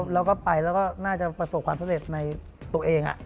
แล้วก็ไปแล้วก็น่าจะประสบความสำเร็จในตัวเอง